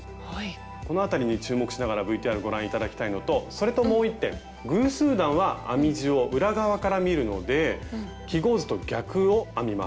この辺りに注目しながらＶＴＲご覧頂きたいのとそれともう１点偶数段は編み地を裏側から見るので記号図と逆を編みます。